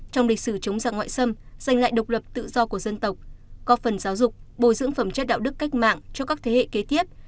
trong lịch sử chống dạng ngoại xâm giành lại độc lập tự do của dân tộc có phần giáo dục bồi dưỡng phẩm chất đạo đức cách mạng cho các thế hệ kế tiếp